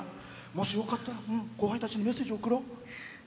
もしよかったら後輩たちにメッセージ送ろう。